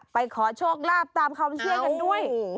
ขอโชคลาภตามความเชื่อกันด้วย